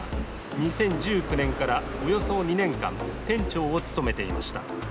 ２０１９年からおよそ２年間、店長を務めていました。